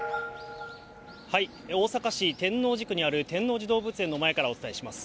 大阪市天王寺区にある天王寺動物園の前からお伝えします。